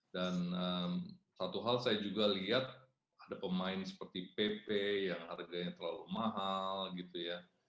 dan satu hal saya juga lihat ada pemain seperti pepe yang harganya terlalu mahal gitu ya